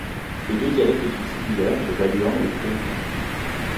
Les deux dialectes sont similaires et le baluan est le plus répandu.